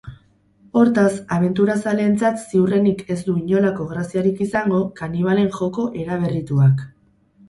Hortaz, abenturazaleentzat ziurrenik ez du inolako graziarik izango kanibalen joko eraberrituak.